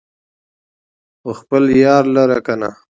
خو خپل يار لره کنه